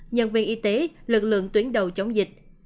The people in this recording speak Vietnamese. nhân viên y tế lực lượng tuyến đầu chống dịch